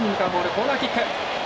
コーナーキック。